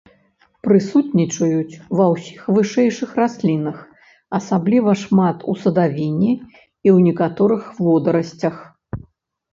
Прысутнічаюць ва ўсіх вышэйшых раслінах, асабліва шмат у садавіне і ў некаторых водарасцях.